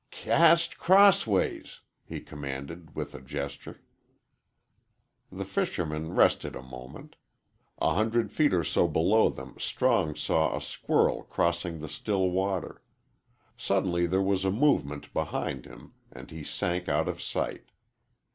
"C cast c crossways," he commanded, with a gesture. The fishermen rested a moment. A hundred feet or so below them Strong saw a squirrel crossing the still water. Suddenly there was a movement behind him, and he sank out of sight.